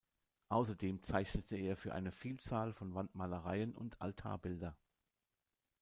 Außerdem zeichnete er für eine Vielzahl von Wandmalereien und Altarbilder.